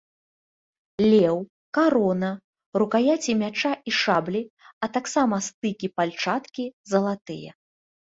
Леў, карона, рукаяці мяча і шаблі, а таксама стыкі пальчаткі залатыя.